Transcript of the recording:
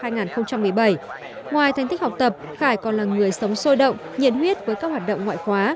ngoài thành tích học tập khải còn là người sống sôi động nhiệt huyết với các hoạt động ngoại khóa